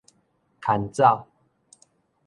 牽走